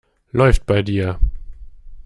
Läuft bei dir.